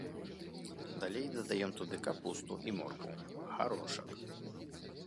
Далей дадаём туды капусту і моркву, гарошак.